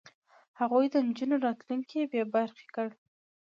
هغوی د نجونو راتلونکی بې برخې کړ.